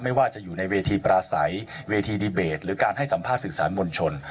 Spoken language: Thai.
ไม่ว่าจะอยู่ในเวทีปราศัยเวทีดีเบตหรือการให้สัมภาษณ์สื่อสารมวลชน